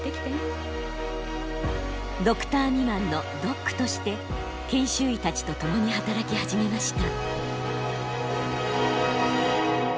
ドクター未満のドックとして研修医たちと共に働き始めました。